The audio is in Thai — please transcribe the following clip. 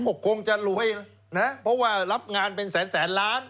ก็คงจะรวยนะเพราะว่ารับงานเป็นแสนแสนล้าน